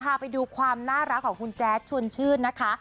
พาไปดูความน่ารักของคุณแจ๊ดชวนชื่นนะคะ